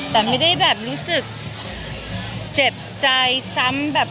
แต่ไม่ได้แบบรู้สึกเจ็บใจซ้ำแบบ